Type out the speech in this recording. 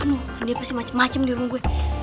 aduh dia pasti macem macem di rumah gue